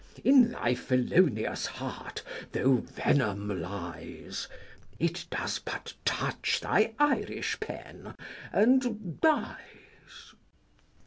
200 In thy felonious heart though venom lies, It does but touch thy Irish pen, and dies.